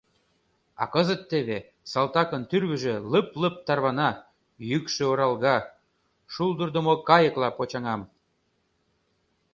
А кызыт теве, — салтакын тӱрвыжӧ лыб-лыб тарвана, йӱкшӧ оралга, — шулдырдымо кайыкла почаҥам.